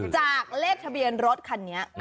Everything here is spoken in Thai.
จากเลขทะเบียนรถคันนี้